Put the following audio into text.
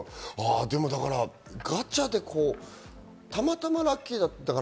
ガチャでたまたまラッキーだったから。